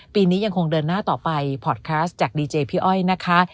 ปีนี้ยังคงเดินหน้าต่อไปพอร์ตคลาสจากดีเจพี่อ้อยนะคะ